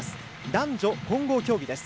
男女混合競技です。